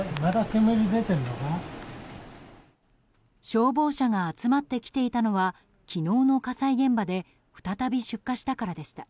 消防車が集まってきていたのは昨日の火災現場で再び出火したからでした。